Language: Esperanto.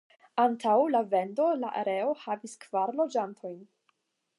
Antaŭ la vendo la areo havis kvar loĝantojn.